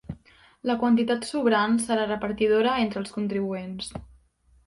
La quantitat sobrant serà repartidora entre els contribuents.